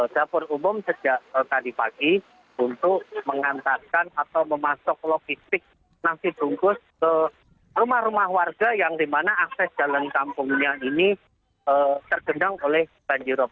dapur umum sejak tadi pagi untuk mengantarkan atau memasok logistik nasi bungkus ke rumah rumah warga yang dimana akses jalan kampungnya ini tergendang oleh banjirop